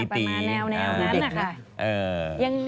ไปมาแนวนั้นนะคะ